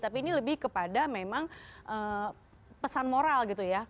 tapi ini lebih kepada memang pesan moral gitu ya